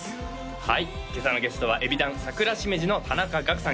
はい今朝のゲストはＥＢｉＤＡＮさくらしめじの田中雅功さん